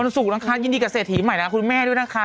วันศุกร์นะคะยินดีกับเศรษฐีใหม่นะคะคุณแม่ด้วยนะคะ